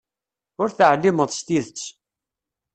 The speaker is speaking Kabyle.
Ur teεlimeḍ s tidet.